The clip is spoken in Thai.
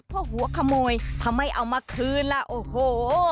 เพราะหัวขโมยทำไมเอามาคืนล่ะโอ้โห